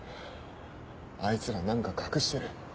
あいつら何か隠してる。